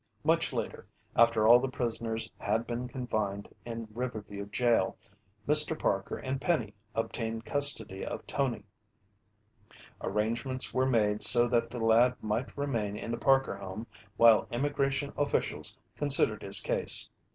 Much later, after all the prisoners had been confined in Riverview jail, Mr. Parker and Penny obtained custody of Tony. Arrangements were made so that the lad might remain in the Parker home while Immigration officials considered his case.